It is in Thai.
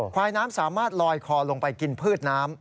ควายน้ำสามารถลอยคอลงไปกินพืชน้ำ